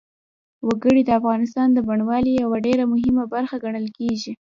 وګړي د افغانستان د بڼوالۍ یوه ډېره مهمه برخه ګڼل کېږي.